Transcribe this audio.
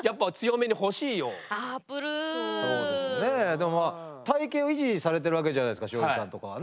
でも体型を維持されてるわけじゃないですか庄司さんとかはね。